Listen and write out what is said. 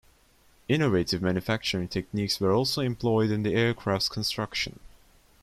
Innovative manufacturing techniques were also employed in the aircraft's construction.